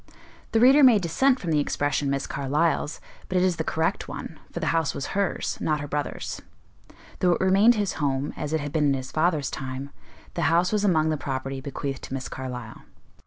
The reader may dissent from the expression "Miss Carlyle's," but it is the correct one, for the house was hers, not her brother's; though it remained his home, as it had been in his father's time, the house was among the property bequeathed to Miss Carlyle.